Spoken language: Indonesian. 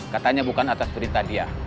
katanya bukan atas berita dia